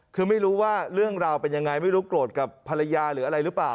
คือไม่รู้ว่าเรื่องราวเป็นยังไงไม่รู้โกรธกับภรรยาหรืออะไรหรือเปล่า